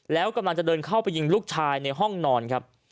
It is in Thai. แล้วกำลังจะเดินเข้าไปยิงลูกชายในห้องนอนครับ